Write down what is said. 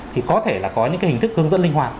thì có thể là có những cái hình thức hướng dẫn linh hoạt